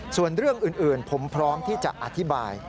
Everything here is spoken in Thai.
ส่วนเรื่องอื่นผมพร้อมที่จะอธิบาย